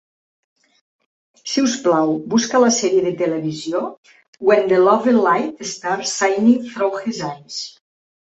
Si us plau, busca la sèrie de televisió "When the Lovelight Starts Shining Through His Eyes".